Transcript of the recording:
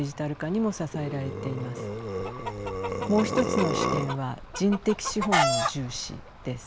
もう一つの視点は人的資本の重視です。